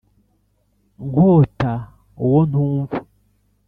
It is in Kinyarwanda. Nkwota uwo ntumva